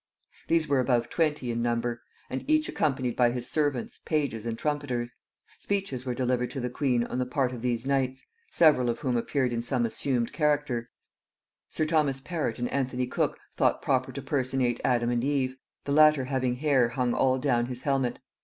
These were above twenty in number, and each accompanied by his servants, pages, and trumpeters. Speeches were delivered to the queen on the part of these knights, several of whom appeared in some assumed character; sir Thomas Perrot and Anthony Cook thought proper to personate Adam and Eve; the latter having 'hair hung all down his helmet.'